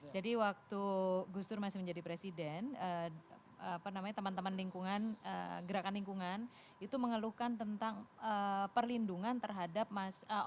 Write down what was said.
jadi waktu gus dur masih menjadi presiden teman teman lingkungan gerakan lingkungan itu mengeluhkan tentang perlindungan terhadap orang rindu